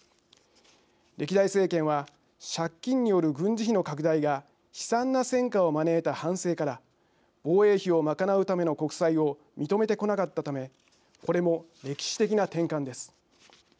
歴代政権は、借金による軍事費の拡大が悲惨な戦禍を招いた反省から防衛費を賄うための国債を認めてこなかったためこれも歴史的な転換です。